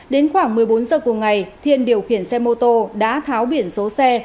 đến khoảng một mươi bốn giờ cùng ngày thiên điều khiển xe mô tô đã tháo biển số xe